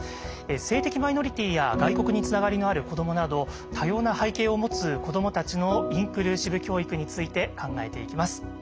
性的マイノリティーや外国につながりのある子どもなど多様な背景を持つ子どもたちのインクルーシブ教育について考えていきます。